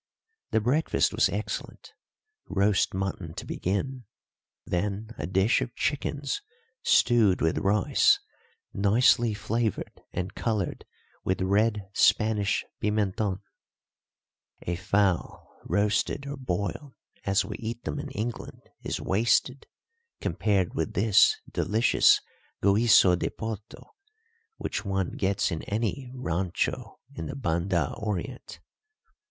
The breakfast was excellent. Roast mutton to begin, then a dish of chickens stewed with rice, nicely flavoured and coloured with red Spanish pimenton. A fowl roasted or boiled, as we eat them in England, is wasted, compared with this delicious guiso de potto which one gets in any rancho in the Banda Orient.